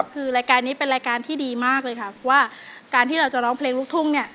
คือรายการนี้เป็นรายการที่ดีมากเลยค่ะว่าการที่เราจะร้องเพลงลูกทุ่งเนี่ย